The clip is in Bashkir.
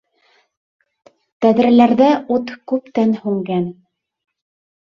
Тәҙрәләрҙә ут күптән һүнгән.